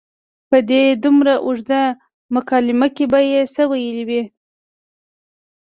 په دې دومره اوږده مکالمه کې به یې څه ویلي وي.